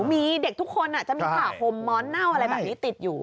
มีเด็กทุกคนจะมีผ่าคมม้อนเน่าอะไรแบบนี้ติดอยู่